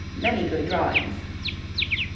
Many good drawings. MS.